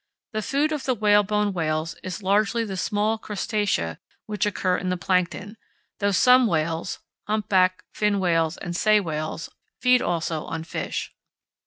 The food of the whalebone whales is largely the small crustacea which occur in the plankton, though some whales (humpback, fin whales, and sei whales) feed also on fish.